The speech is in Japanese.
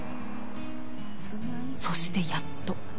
そしてやっと。